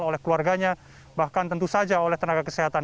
oleh keluarganya bahkan tentu saja oleh tenaga kesehatan